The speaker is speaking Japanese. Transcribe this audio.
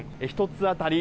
１つ当たり